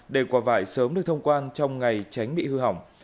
để quả vải sớm được thông quan trong ngày tránh bị hư hỏng